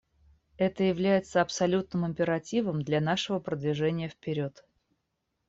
Это является абсолютным императивом для нашего продвижения вперед.